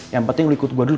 yang penting lu ikut gue dulu